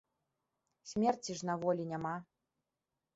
Смерці ж на волі няма.